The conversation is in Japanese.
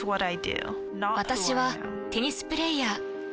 私はテニスプレイヤー。